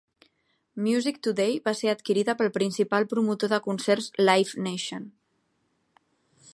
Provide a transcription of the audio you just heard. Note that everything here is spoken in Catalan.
Musictoday va ser adquirida pel principal promotor de concerts Live Nation.